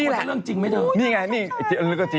เธอไม่อ่านงูก่อนเหรอ